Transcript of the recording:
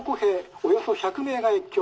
およそ１００名が越境。